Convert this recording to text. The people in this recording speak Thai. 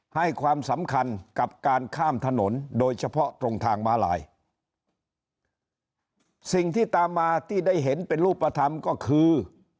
ให้ความสำคัญกับการข้ามถนนโดยเฉพาะตรงทางม้าลายสิ่งที่ตามมาที่ได้เห็นเป็นรูปธรรมก็คือ